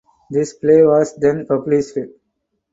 This play was then published.